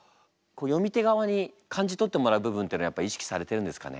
読み手側に感じ取ってもらう部分っていうのはやっぱり意識されてるんですかね。